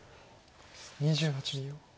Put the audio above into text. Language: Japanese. ２８秒。